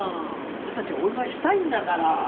俺たちはお祝いしたいんだから。